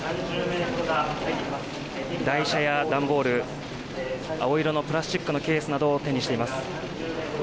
台車や段ボール、青色のプラスチックのケースなどを手にしています。